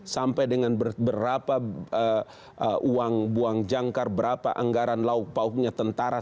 sampai dengan berapa uang buang jangkar berapa anggaran lauk pauknya tentara